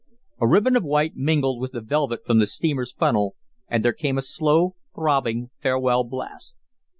A ribbon of white mingled with the velvet from the steamer's funnel and there came a slow, throbbing, farewell blast.